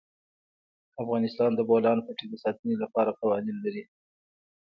افغانستان د د بولان پټي د ساتنې لپاره قوانین لري.